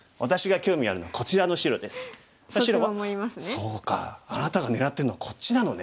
「そうかあなたが狙ってるのはこっちなのね」。